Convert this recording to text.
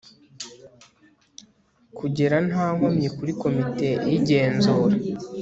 kugera nta nkomyi kuri Komite y Igenzura